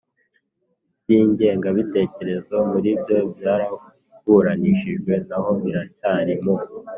by ingengabitekerezo muribyo byaraburanishijwe naho biracyari mu